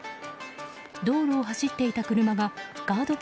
道路を走っていた車がガード